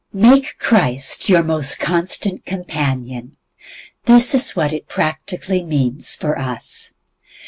"Make Christ your most constant companion" this is what it practically means for us.